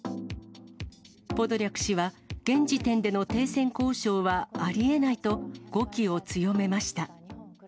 ポドリャク氏は、現時点での停戦交渉はありえないと、語気を強めました。